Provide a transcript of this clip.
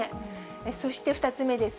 そして２つ目です。